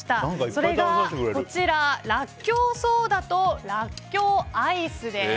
それが、らっきょうソーダとらっきょうアイスです。